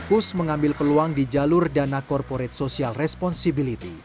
kus mengambil peluang di jalur dana korporate social responsibility